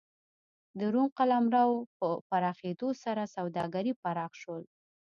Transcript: د روم قلمرو په پراخېدو سره سوداګري پراخ شول.